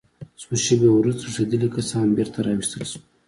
څو شېبې وروسته تښتېدلي کسان بېرته راوستل شول